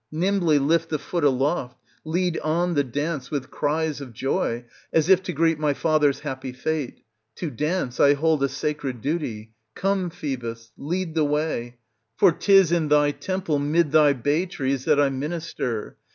Nimbly Uft the foot aloft, lead on the dance, with cries of joy, as if to greet my father's happy fate. To dance I hold a sacred duty ; come, Phoebus, lead the way, for 'tis in thy temple mid thy bay trees that I minister.